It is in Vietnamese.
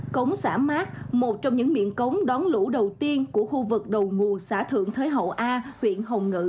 cống xã mát một trong những miệng cống đón lũ đầu tiên của khu vực đầu nguồn xã thượng thới hậu a huyện hồng ngự